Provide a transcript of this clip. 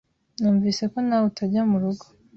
Numvise ko nawe utajya murugo.